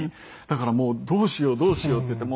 だからどうしようどうしようって言って。